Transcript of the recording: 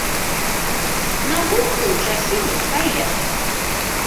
На горкую часіну хай ляжыць.